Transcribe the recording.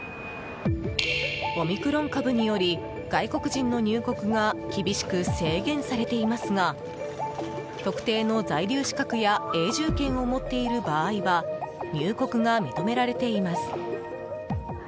オミクロン株により外国人の入国が厳しく制限されていますが特定の在留資格や永住権を持っている場合は入国が認められています。